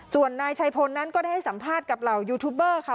ส่วนนายชัยพลนั้นก็ได้ให้สัมภาษณ์กับเหล่ายูทูบเบอร์ค่ะ